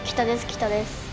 北です。